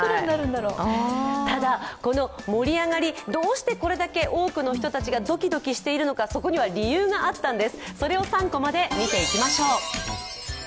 ただ、この盛り上がりどうしてこれだけ多くの人たちがドキドキしているのか、そこには理由があったんです。